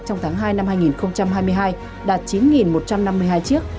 trong tháng hai năm hai nghìn hai mươi hai đạt chín một trăm năm mươi hai chiếc